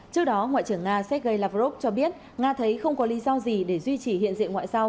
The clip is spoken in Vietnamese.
trước đó ngoại trưởng nga sergei lavrov cho biết nga thấy không có lý do gì để duy trì hiện diện ngoại giao